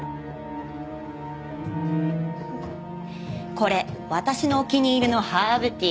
これ私のお気に入りのハーブティーなの。